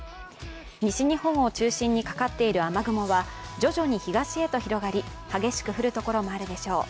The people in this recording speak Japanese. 西日本を中心にかかっている雨雲は徐々に東へと広がり激しく降るところもあるでしょう。